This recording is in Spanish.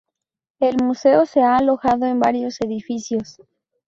El museo se ha alojado en varios edificios.